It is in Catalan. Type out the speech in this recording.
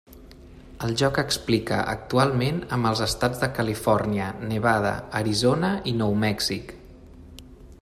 El joc explica actualment amb els Estats de Califòrnia, Nevada, Arizona i Nou Mèxic.